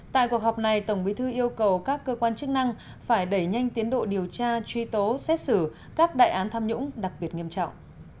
tại cuộc họp này tổng bí thư yêu cầu các cơ quan chức năng phải đẩy nhanh tiến độ điều tra truy tố xét xử các đại án tham nhũng đặc biệt nghiêm trọng